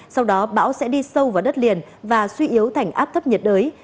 sau đó bão sẽ đi sâu vào đất liền và suy yếu thành áp thấp nhiệt đới